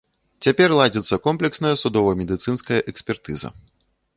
Цяпер ладзіцца комплексная судова-медыцынская экспертыза.